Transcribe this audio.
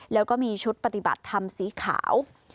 แล้วก็มีชุดปฏิบัติธรรมสีขาว